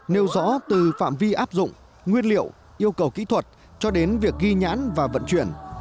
nêu rõ từ phạm vi áp dụng nguyên liệu yêu cầu kỹ thuật cho đến việc ghi nhãn và vận chuyển